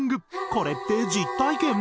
これって実体験？